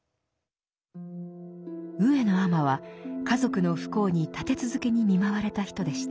上野尼は家族の不幸に立て続けに見舞われた人でした。